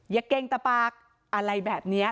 อย่าเกรงตะปากอะไรแบบเนี้ย